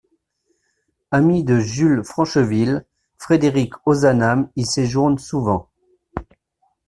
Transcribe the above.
Ami de Jules de Francheville, Frédéric Ozanam y séjourne souvent.